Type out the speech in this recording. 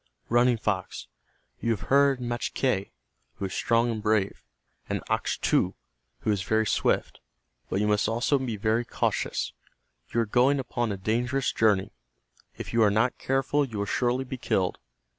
"Running Fox, you have heard Machque, who is strong and brave, and Achtu, who is very swift, but you must also be very cautious. You are going upon a dangerous journey. If you are not careful you will surely be killed.